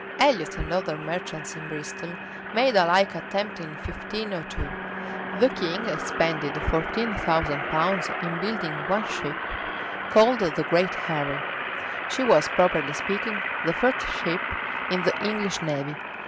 Elliot and other merchants in Bristol made a like attempt in 1502.[*] The king expended fourteen thousand pounds in building one ship, called the Great Harry.[] She was, properly speaking, the first ship in the English navy.